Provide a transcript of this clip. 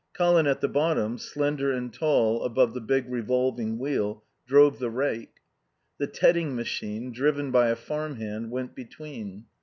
Colin at the bottom, slender and tall above the big revolving wheel, drove the rake. The tedding machine, driven by a farm hand, went between.